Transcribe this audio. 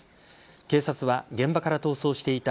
警察は現場から逃走していた